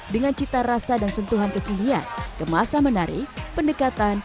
dengan cita rasa dan sentuhan kepilihan kemasa menarik pendekatan